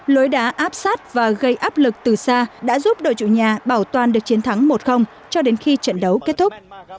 lối đá áp sát và gây áp lực từ xa đã giúp đội chủ nhà bảo toàn được chiến thắng một cho đến khi trận đấu kết thúc